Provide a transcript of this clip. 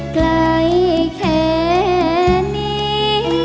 ไกลแค่นี้